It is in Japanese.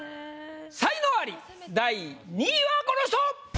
才能アリ第２位はこの人！